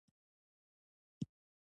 په افغانستان کې بامیان شتون لري.